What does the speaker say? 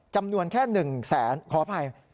จำนวนแค่๑แสนขออภัย